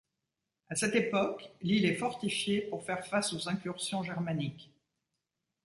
À cette époque, l'île est fortifiée pour faire face aux incursions germaniques.